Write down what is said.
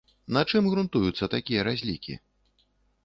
На чым грунтуюцца такія разлікі?